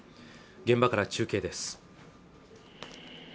現場から中継です